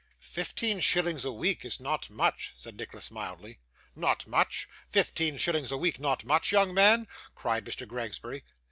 'Fifteen shillings a week is not much,' said Nicholas, mildly. 'Not much! Fifteen shillings a week not much, young man?' cried Mr Gregsbury.